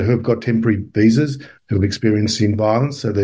yang memiliki visa tempur yang mengalami kejahatan